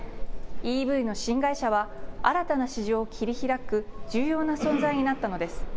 ＥＶの新会社は、新たな市場を切り開く重要な存在になったのです。